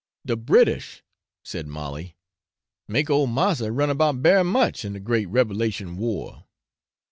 'De British,' said Molly 'make old massa run about bery much in de great revelation war.'